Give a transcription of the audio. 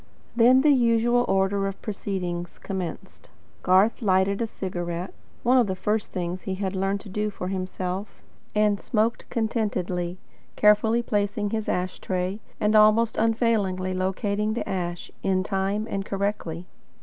Then the usual order of proceedings commenced. Garth lighted a cigarette one of the first things he had learned to do for himself and smoked contentedly, carefully placing his ash tray, and almost unfailingly locating the ash, in time and correctly.